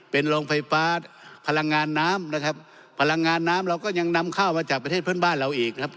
เป็นโรงไฟฟ้าพลังงานน้ำนะครับพลังงานน้ำเราก็ยังนำข้าวมาจากประเทศเพื่อนบ้านเราอีกนะครับ